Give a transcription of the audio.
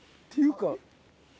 っていうか。